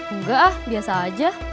enggak biasa aja